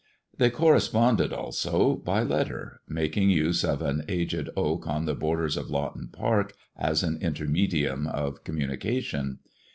They corresponded also by letter, making ufi of an aged oak on the borders of Lawton Park as a intermedium of communication.